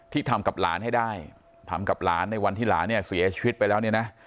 ที่ทำกับหลานให้ได้ทำกับหลานในวันที่หลานเสียชีวิตไปแล้ว